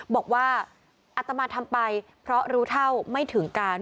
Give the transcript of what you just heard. บอกว่าอัตมาทำไปเพราะรู้เท่าไม่ถึงการ